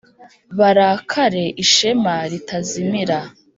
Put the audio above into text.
Barakare ishema ritazimira